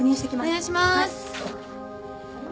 お願いします。